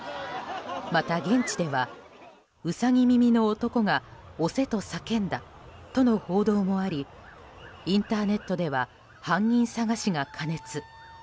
また、現地ではウサギ耳の男が押せと叫んだとの報道もありインターネットでは犯人捜しが過熱。